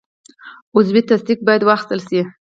عضوي تصدیق باید واخیستل شي.